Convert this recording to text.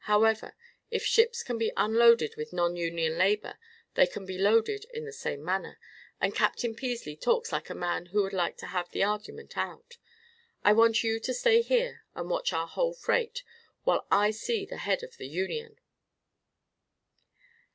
However, if ships can be unloaded with non union labor they can be loaded in the same manner, and Captain Peasley talks like a man who would like to have the argument out. I want you to stay here and watch our freight while I see the head of the union."